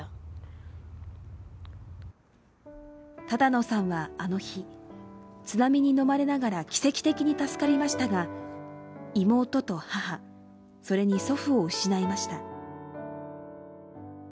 只野さんはあの日、津波にのまれながら奇跡的に助かりましたが妹と母、それに祖父を失いました。